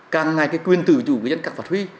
càng ngày cái quyên tử chủ của dân các pháp